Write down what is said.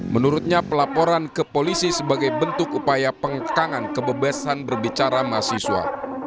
menurutnya pelaporan ke polisi sebagai bentuk upaya pengkangan kebebasan berbicara mahasiswa